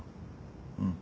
うん。